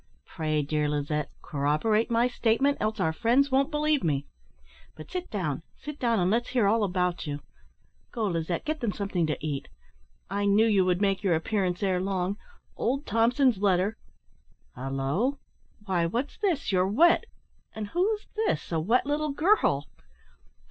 Pray, dear Lizette, corroborate my statement, else our friends won't believe me. But sit down, sit down, and let's hear all about you. Go, Lizette, get 'em something to eat. I knew you would make your appearance ere long. Old Thompson's letter halloo! why what's this? You're wet! and who's this a wet little girl?"